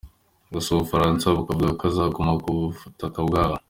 Gusa u Bufaransa bukavuga ko azaguma ku butaka bwabo.